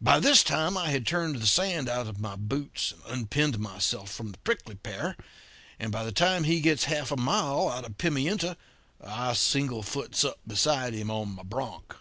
By this time I had turned the sand out of my boots and unpinned myself from the prickly pear; and by the time he gets half a mile out of Pimienta, I singlefoots up beside him on my bronc.